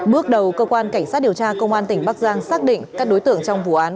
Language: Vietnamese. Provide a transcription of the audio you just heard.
bước đầu cơ quan cảnh sát điều tra công an tỉnh bắc giang xác định các đối tượng trong vụ án